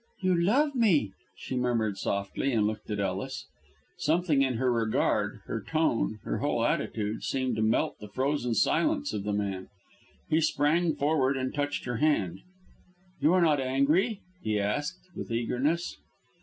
"You love me!" she murmured softly, and looked at Ellis. Something in her regard, her tone, in her whole attitude, seemed to melt the frozen silence of the man. He sprang forward and touched her hand. "You are not angry?" he asked, with eagerness.